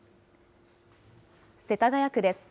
世田谷区です。